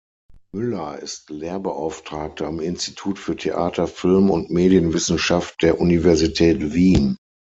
Müller ist Lehrbeauftragte am Institut für Theater-, Film- und Medienwissenschaft der Universität Wien.